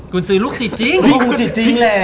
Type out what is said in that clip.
กลุ่มสื่อลูกจิตจริงคงเป็นลูกจิตจิ๋งแหละ